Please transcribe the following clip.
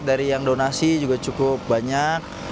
dari yang donasi juga cukup banyak